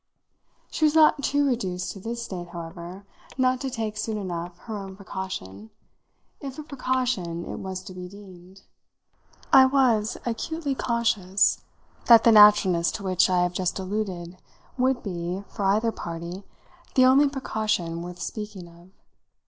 She was not too reduced to this state, however, not to take, soon enough, her own precaution if a precaution it was to be deemed. I was acutely conscious that the naturalness to which I have just alluded would be, for either party, the only precaution worth speaking of.